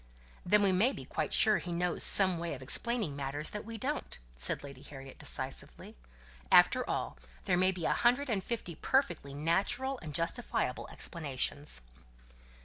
"Then we may be quite sure he knows some way of explaining matters that we don't," said Lady Harriet, decisively. "After all, there may be a hundred and fifty perfectly natural and justifiable explanations."